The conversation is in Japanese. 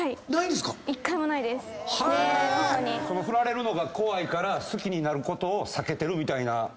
フラれるのが怖いから好きになることを避けてるみたいな？